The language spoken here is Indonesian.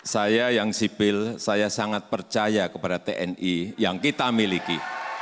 saya yang sipil saya sangat percaya kepada tni yang kita miliki